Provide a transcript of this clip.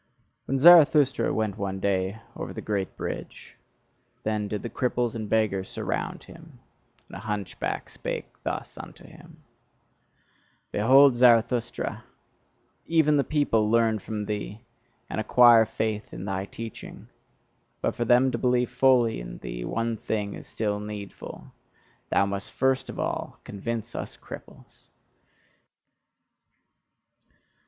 When Zarathustra went one day over the great bridge, then did the cripples and beggars surround him, and a hunchback spake thus unto him: "Behold, Zarathustra! Even the people learn from thee, and acquire faith in thy teaching: but for them to believe fully in thee, one thing is still needful thou must first of all convince us cripples!